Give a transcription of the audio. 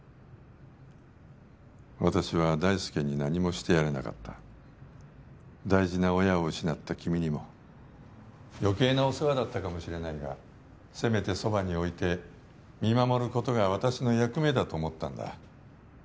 私は大介に何もしてやれなかった大事な親を失った君にも余計なお世話だったかもしれないがせめてそばに置いて見守ることが私の役目だと思ったんだ